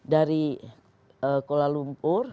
dari kuala lumpur